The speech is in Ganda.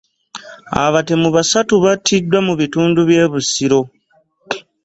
Abatemu basatu battiddwa mu bitundu by'e Busiro.